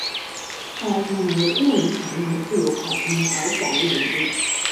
后来成为沃伦法院的自由派成员而广为人知。